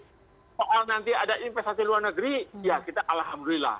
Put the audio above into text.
soal nanti ada investasi luar negeri ya kita alhamdulillah